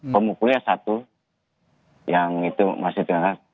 pemukulnya satu yang itu masih diangkat